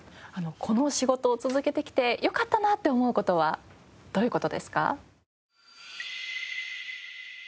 この仕事を続けてきてよかったなと思う事はどういう事ですか？